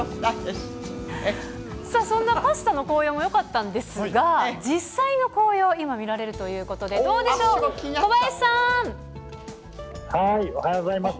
さあ、そんなパスタの紅葉もよかったんですが、実際の紅葉、今見られるということで、どうでおはようございます。